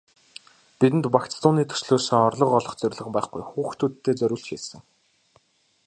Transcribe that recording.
Бидэнд багц дууны төслөөсөө орлого олох зорилго байхгүй, хүүхдүүддээ зориулж хийсэн.